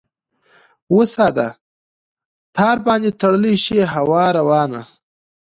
وساده ! تار باندې تړلی شي هوا روانه ؟